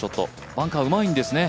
バンカー、うまいんですね。